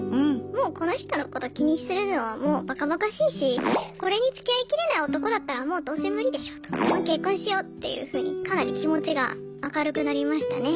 もうこの人のこと気にするのはもうバカバカしいしこれに付き合いきれない男だったらもうどうせ無理でしょうともう結婚しよっていうふうにかなり気持ちが明るくなりましたね。